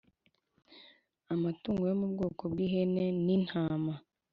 Amatungo yo mu bwoko bw ihene n intama